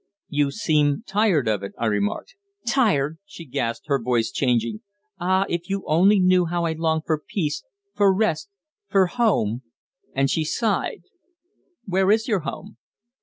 "You seem tired of it!" I remarked. "Tired!" she gasped, her voice changing. "Ah! if you only knew how I long for peace, for rest for home!" and she sighed. "Where is your home?"